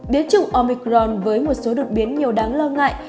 đế chủng omicron với một số đột biến nhiều đáng lo ngại